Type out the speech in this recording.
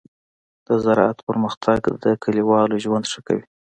د زراعت پرمختګ د کليوالو ژوند ښه کوي.